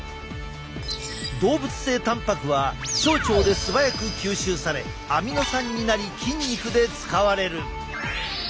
動物性たんぱくは小腸で素早く吸収されアミノ酸になり筋肉で使われる。